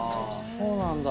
そうなんだ。